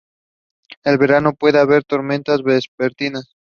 En verano pueden haber tormentas vespertinas.